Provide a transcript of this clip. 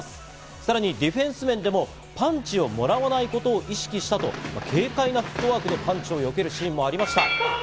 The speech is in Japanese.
さらにディフェンス面でも、パンチをもらわないことを意識したと、軽快なフットワークでパンチをよけるシーンもありました。